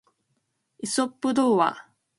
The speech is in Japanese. イソップ童話